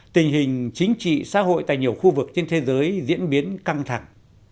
tình hình chính trị xã hội tại nhiều khu vực trên thế giới diễn biến căng thẳng